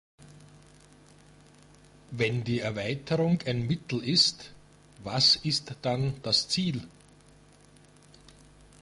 Wenn die Erweiterung ein Mittel ist, was ist dann das Ziel?